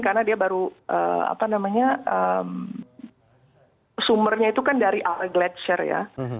karena dia baru sumbernya itu kan dari area gletser ya